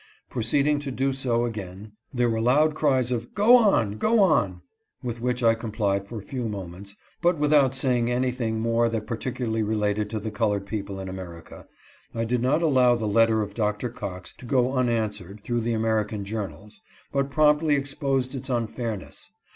Proceeding to do so again, there were loud cries of " Go on !"" Go on !" with which I complied for a few moments, but without saying anything more that particularly related to the col ored people in America. I did not allow the letter of Dr. Cox to go unanswered through the American journals, but promptly exposed its unfairness.